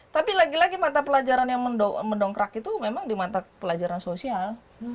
tapi lagi lagi mata pelajaran yang mendongkrak itu memang di mata pelajaran sosial